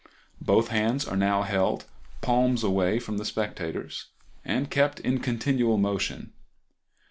Both hands are now held palms away from the spectators, and kept in continual motion.